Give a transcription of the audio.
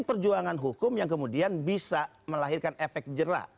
ini perjuangan hukum yang kemudian bisa melahirkan efek jela